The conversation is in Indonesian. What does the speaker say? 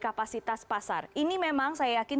kapasitas pasar ini memang saya yakin